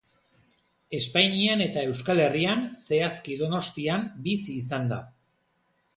Espainian eta Euskal Herrian, zehazki Donostian bizi izan da.